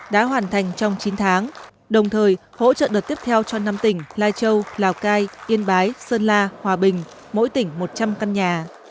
đồng thời hỗ trợ đợt tiếp theo cho năm tỉnh lai châu lào cai yên bái sơn la hòa bình mỗi tỉnh một trăm linh căn nhà